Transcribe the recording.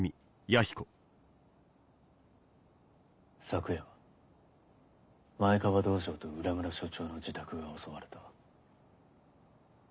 昨夜前川道場と浦村署長の自宅が襲われた。